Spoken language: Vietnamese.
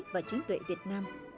và chính tuệ việt nam